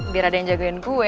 biar ada yang jagain kue